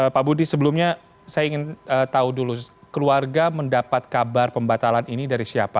pak budi sebelumnya saya ingin tahu dulu keluarga mendapat kabar pembatalan ini dari siapa